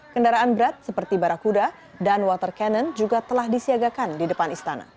kendaraan berat seperti barakuda dan water cannon juga telah disiagakan di depan istana